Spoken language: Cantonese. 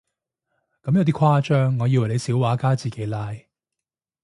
咁有啲誇張，我以為你小畫家自己拉